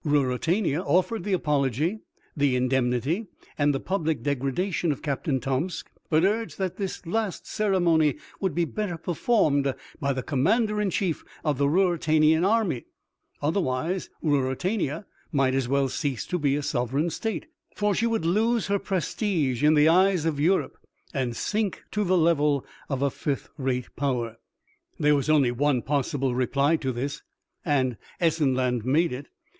Ruritania offered the apology, the indemnity, and the public degradation of Captain Tomsk, but urged that this last ceremony would be better performed by the Commander in Chief of the Ruritanian Army; otherwise Ruritania might as well cease to be a sovereign state, for she would lose her prestige in the eyes of Europe, and sink to the level of a fifth rate power. There was only one possible reply to this, and Essenland made it.